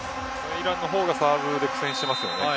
イランの方がサーブで苦戦していますね。